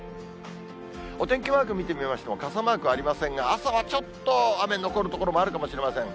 お天気マーク見てみましても、傘マークありませんが、朝はちょっと雨、残る所あるかもしれません。